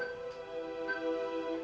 dia sudah berakhir